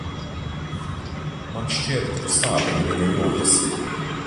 Man šķiet, ka tu sāpini viņa jūtas.